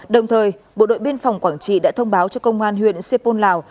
đồng thời bộ đội biên phòng quảng trị đã thông báo cho công an huyện xê pôn lào